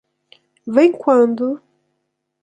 Vem quando?